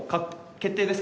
決定です？